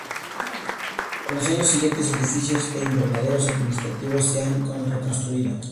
En los años siguientes edificios e invernaderos administrativos se han reconstruido.